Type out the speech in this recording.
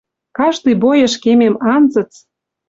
Каждый бойыш кемем анзыц